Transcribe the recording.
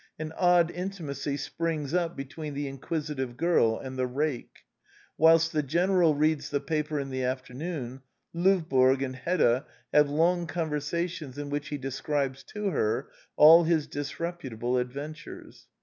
An odd intimacy springs up between the inquisi tive girl and the rake. Whilst the general reads the paper in the afternoon, Lovborg and Hedda have long conversations in which he describes to her all his disreputable adventures.